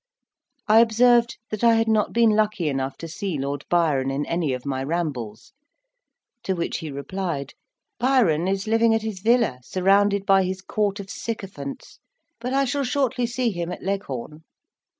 I observed that I had not been lucky enough to see Lord Byron in any of my rambles, to which he replied, "Byron is living at his villa, surrounded by his court of sycophants; but I shall shortly see him at Leghorn."